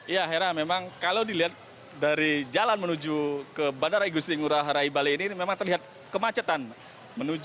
ya hera memang kalau dilihat dari jalan menuju ke bandara igusti ngurah rai bali ini memang terlihat kemacetan